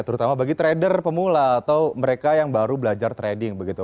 terutama bagi trader pemula atau mereka yang baru belajar trading begitu